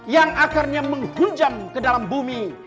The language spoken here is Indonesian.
yang akarnya menghujam ke dalam bumi